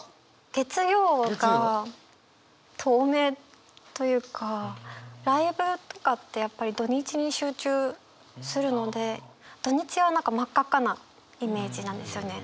月曜がライブとかってやっぱり土日に集中するので土日は何か真っ赤っかなイメージなんですよね。